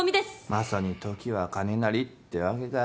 まさに時は金なりってわけか。